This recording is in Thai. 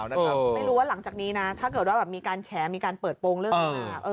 ไม่รู้ว่าหลังจากนี้นะถ้าเกิดว่ามีการแฉมีการเปิดโปรงเรื่องนี้มา